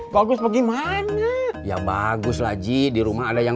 berapa banyak pacaran di yong